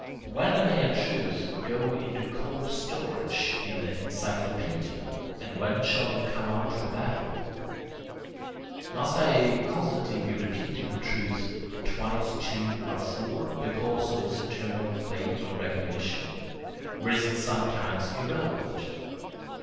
When may a truth go into cold storage in the encyclopedia? and when shall it come out for battle? Must I constantly be repeating the truth 'twice two are four' because of its eternal claim on recognition? or is it sometimes irrelevant?